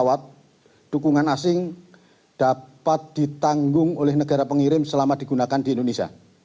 dalam pertemuan juga sepakat bahwa kebutuhan aftur bagi pesawat dukungan asing dapat ditanggung oleh negara pengirim selama digunakan di indonesia